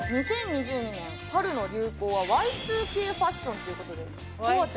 ２０２２年春の流行は、Ｙ２Ｋファッションということで。